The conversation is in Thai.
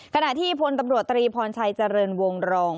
ขณะที่พลตำรวจตรีพรชัยเจริญวงรอง